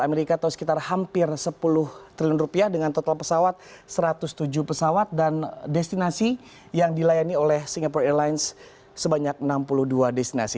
amerika atau sekitar hampir sepuluh triliun rupiah dengan total pesawat satu ratus tujuh pesawat dan destinasi yang dilayani oleh singapore airlines sebanyak enam puluh dua destinasi